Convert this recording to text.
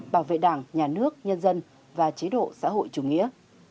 bảo vệ đảng nhà nước nhân dân và chế độ xã hội chủ nghĩa